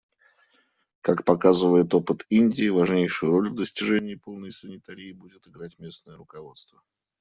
Как показывает опыт Индии, важнейшую роль в достижении полной санитарии будет играть местное руководство.